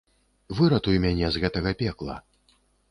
Выратуй мяне з гэтага пекла.